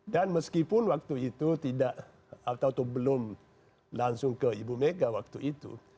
dan meskipun waktu itu tidak atau belum langsung ke ibu mega waktu itu